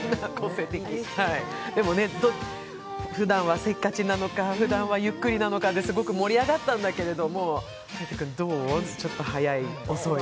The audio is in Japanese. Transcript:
でも、ふだんはせっかちなのかふだんはゆっくりなのかですごく盛り上がったんだけども、海音君どう？ちょっと早い？遅い？